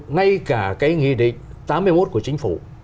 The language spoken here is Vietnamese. ngay cả cái nghị định tám mươi một của chính phủ